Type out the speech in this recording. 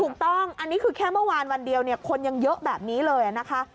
ถูกต้องอันนี้คือแค่เมื่อวานวันเดียวเนี่ยคนยังเยอะแบบนี้เลยนะคะ